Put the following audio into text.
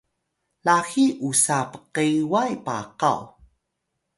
laxiy usa pqeway pakaw